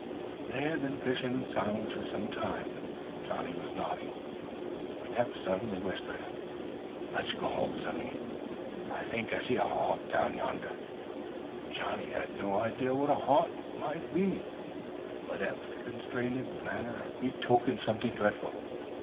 They had fished in silence for some time, and Johnnie was nodding, when Eph suddenly whispered: "Let's go home, sonny, I think I see a ha'nt down yander." Johnnie had no idea what a "ha'nt" might be, but Eph's constrained manner betokened something dreadful.